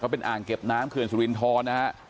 เป็นอ่างเก็บน้ำเขื่อนสุรินทรนะฮะ